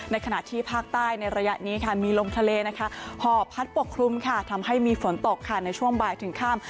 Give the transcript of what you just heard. ในขณะที่ภาคใต้ในระยะนี้มีลงทะเลพอพัดปกครุมทำให้มีฝนตกในช่วงบ่ายถึงค่ำ